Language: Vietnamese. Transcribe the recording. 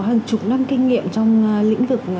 hàng chục năm kinh nghiệm trong lĩnh vực